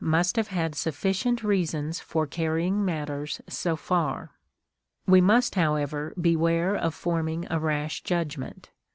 must have had sufficient reasons for carrying matters so far. We must, however, beware of forming a rash judgment.